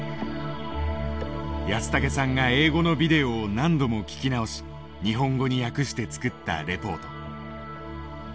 安竹さんが英語のビデオを何度も聴き直し日本語に訳して作ったレポート。